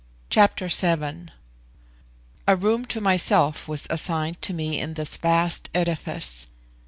Chapter VII. A room to myself was assigned to me in this vast edifice.